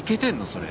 それ。